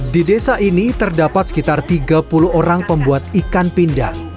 di desa ini terdapat sekitar tiga puluh orang pembuat ikan pindang